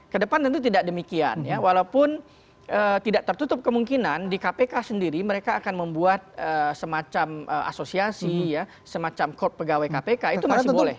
kedepan tentu tidak demikian ya walaupun tidak tertutup kemungkinan di kpk sendiri mereka akan membuat semacam asosiasi semacam code pegawai kpk itu masih boleh